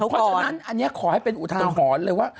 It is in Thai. เพราะฉะนั้นอันนี้ขอให้เป็นอุทาหรณ์เลยว่า